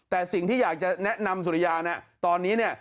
แต่สิ่งที่อยากจะแนะนำสุริยานะตอนนี้เนี่ย